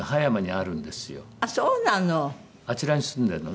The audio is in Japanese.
あっそうなの！